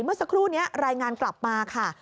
เมื่อสักครู่นี้รายงานกลับมาค่ะ